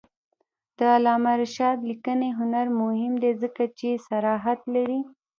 د علامه رشاد لیکنی هنر مهم دی ځکه چې صراحت لري.